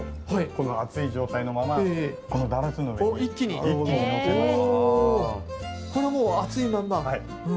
この熱い状態のままこのダルスの上に一気に載せます。